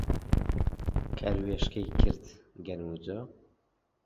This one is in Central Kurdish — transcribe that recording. کەروێشکەی کرد گەنم و جۆ